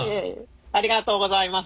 ありがとうございます。